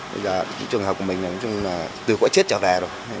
bây giờ trường hợp của mình là từ khỏi chết trở về rồi